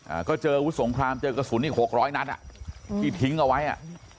อ่าก็เจอวุฒิสงครามเจอกระสุนอีกหกร้อยนัดอ่ะที่ทิ้งเอาไว้อ่ะ